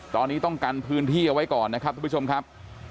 ตอนนี้ต้องกันพื้นที่เอาไว้ก่อนนะครับทุกผู้ชมครับ